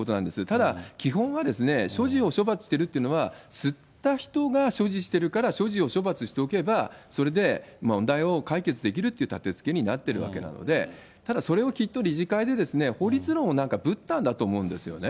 ただ、基本は所持を処罰するっていうのは吸った人が所持しているから、所持を処罰しておけば、それで問題を解決できるというたてつけになってるわけなので、ただそれをきっと理事会で、法律論をぶったんだと思うんですよね。